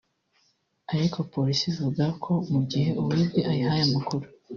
ariko polisi ivuga ko mu gihe uwibwe ayihaye amakuru